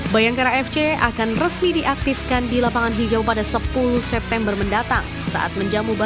pihak klub telah menyampaikan perubahan nama ini ke pssi dan operator liga pt gilora trisula semesta